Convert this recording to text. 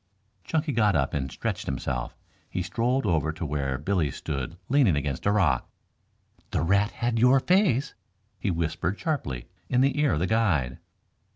Chunky got up and stretched himself. He strolled over to where Billy stood leaning against a rock. "The rat had your face," he whispered sharply in the ear of the guide.